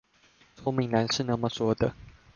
說明欄是那麼說的